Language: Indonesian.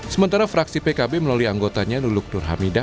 sementara fraksi pkb melalui anggotanya luluk nur hamidah